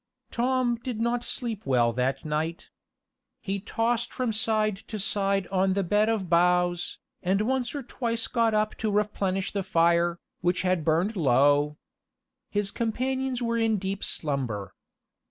Tom did not sleep well that night. He tossed from side to side on the bed of boughs, and once or twice got up to replenish the fire, which had burned low. His companions were in deep slumber.